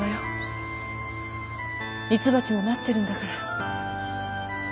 ミツバチも待ってるんだから。